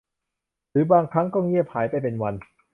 หรือบางครั้งก็เงียบหายไปเป็นวัน